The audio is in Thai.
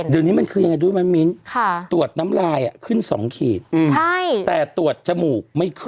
เดี๋ยวนี้มันคือยังไงรู้ไหมมิ้นตรวจน้ำลายขึ้น๒ขีดแต่ตรวจจมูกไม่ขึ้น